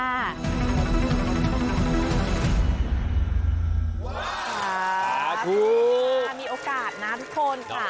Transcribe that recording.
โอ้โหมีโอกาสนะทุกคนค่ะ